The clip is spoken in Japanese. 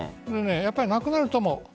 なくなると思う。